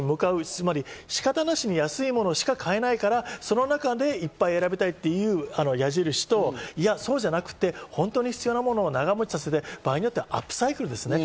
つまり仕方なしに安いものしか買えないから、その中でいっぱい選びたいという矢印と、そうじゃなくて、本当に必要な物を長持ちさせる、アップサイクルですね。